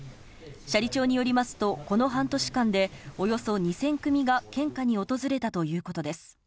斜里町によりますと、この半年間でおよそ２０００組が献花に訪れたということです。